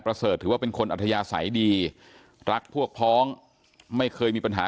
เสิร์ตถือว่าเป็นคนอัธยาศัยดีรักพวกพ้องไม่เคยมีปัญหา